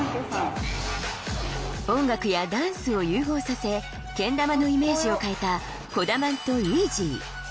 音楽やダンスを融合させけん玉のイメージを変えた「コダマン」と「イージー」